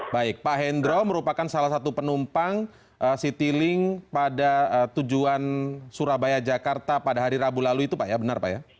baik pak hendro merupakan salah satu penumpang citylink pada tujuan surabaya jakarta pada hari rabu lalu itu pak ya benar pak ya